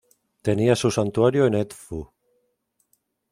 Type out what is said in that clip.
Tenía su santuario en Edfu.